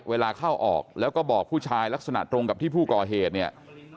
เวลาเข้าออกแล้วก็บอกผู้ชายลักษณะตรงกับที่ผู้ก่อเหตุเนี่ย